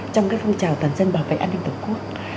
trong phong trào toàn dân bảo vệ an ninh tổ quốc